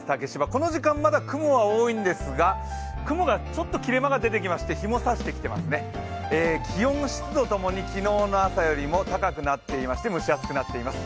この時間まだ雲は多いんですが、雲がちょっと切れ間が出てきまして日も差してきてますね、気温湿度ともに昨日の朝より高くなっていまして蒸し暑くなっています。